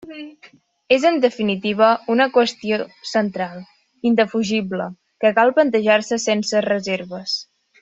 És, en definitiva, una qüestió central, indefugible, que cal plantejar sense reserves.